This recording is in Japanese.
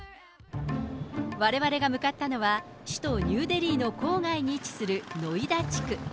われわれが向かったのは、首都ニューデリーの郊外に位置するノイダ地区。